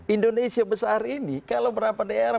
indonesia besar ini kalau berapa daerah